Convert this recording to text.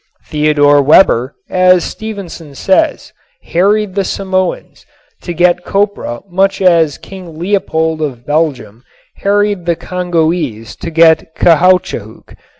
Theodor Weber, as Stevenson says, "harried the Samoans" to get copra much as King Leopold of Belgium harried the Congoese to get caoutchouc.